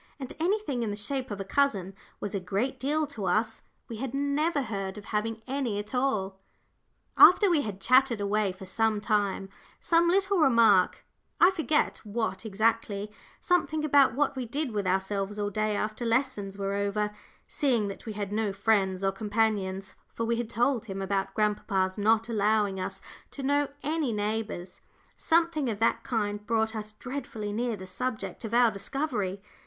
And anything in the shape of a cousin was a great deal to us; we had never heard of having any at all. After we had chattered away for some time, some little remark, I forget what exactly, something about what we did with ourselves all day after lessons were over, seeing that we had no friends or companions, for we had told him about grandpapa's not allowing us to know any neighbours; something of that kind brought us dreadfully near the subject of our discovery.